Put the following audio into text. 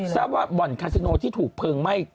ทราบว่าบ่อนคาซิโนที่ถูกเพลิงไหม้